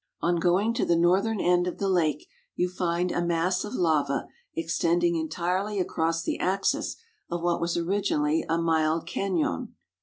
On going to the northern end of the lake you find a mass of lava extending entirel}' across the axis of what was originally a mild caiion.